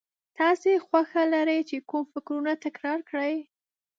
تاسې خوښه لرئ چې کوم فکرونه تکرار کړئ.